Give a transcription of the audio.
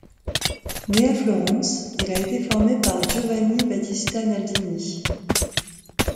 Né à Florence, il a été formé par Giovanni Battista Naldini.